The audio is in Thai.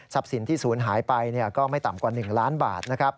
ทรัพย์สินที่ศูนย์หายไปก็ไม่ต่ำกว่า๑ล้านบาท